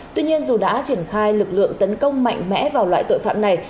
tuy nhiên dù đã triển khai lực lượng tấn công mạnh mẽ vào loại tội phạm này